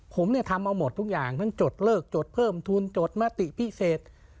ผมเนี่ยทำเอาหมดทุกอย่างทั้งจดเลิกจดเพิ่มทุนจดมติพิเศษ